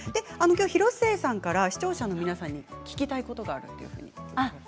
きょう広末さんから視聴者の皆さんに聞きたいことがあると。